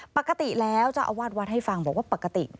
ปกติแล้วเจ้าอาวาสวัดให้ฟังบอกว่าปกติ